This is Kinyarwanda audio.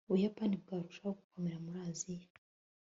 ubuyapani bwarushagaho gukomera muri aziya